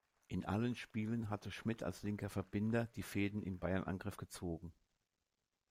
In allen Spielen hatte Schmitt als linker Verbinder die Fäden im Bayern-Angriff gezogen.